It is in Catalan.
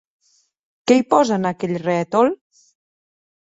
Què hi posa en aquell rètol?